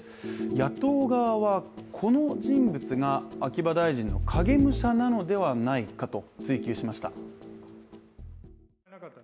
野党側は、この人物が秋葉大臣の影武者なのではないかと追及しました。